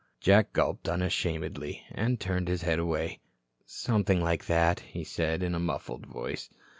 Jack gulped unashamedly, and turned his head away. "Something like that," he said, in a muffled voice.